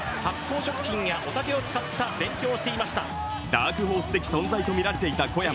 ダークホース的存在とみられていた小山。